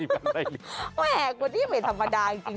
โมะแหกมันยังไม่ธรรมดาจริง